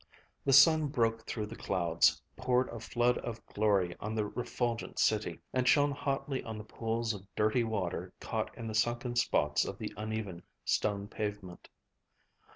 The sun broke through the clouds, poured a flood of glory on the refulgent city, and shone hotly on the pools of dirty water caught in the sunken spots of the uneven stone pavement.